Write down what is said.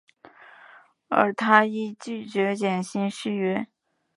而他亦拒绝减薪续约。